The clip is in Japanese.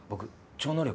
超能力。